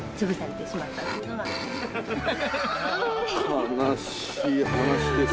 悲しい話ですね。